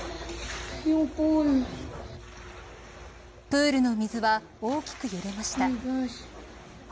プールの水は、大きく揺れました。